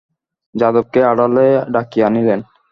যাদবকে আড়ালে ডাকিয়া আনিলেন।